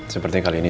sepertinya kali ini